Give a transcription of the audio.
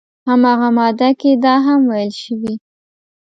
همغه ماده کې دا هم ویل شوي